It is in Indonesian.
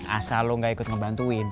asal lo gak ikut ngebantuin